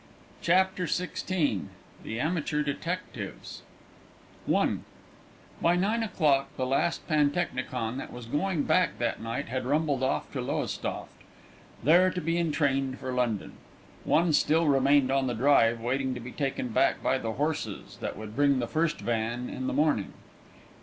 CHAPTER XVI THE AMATEUR DETECTIVES I By nine o'clock the last pantechnicon that was going back that night had rumbled off to Lowestoft, there to be entrained for London. One still remained on the drive, waiting to be taken back by the horses that would bring the first van in the morning.